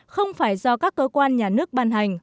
không phải do các cơ quan nhà nước ban hành